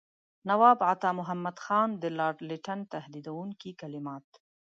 نواب عطامحمد خان د لارډ لیټن تهدیدوونکي کلمات.